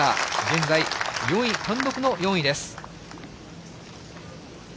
現在、４位、単独の４位です。